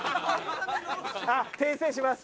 あっ訂正します。